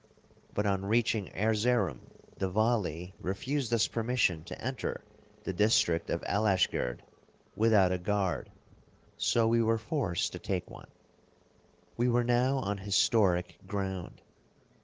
But on reaching Erzerum, the Vali refused us permission to enter the district of Alashgerd without a guard, so we were forced to take one. We were now on historic ground.